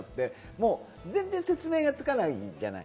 もう全然説明がつかないじゃない。